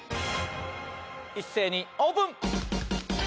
一斉にオープン！